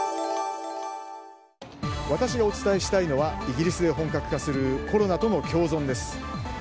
私がお伝えしたいのはイギリスで本格化するコロナとの共存です。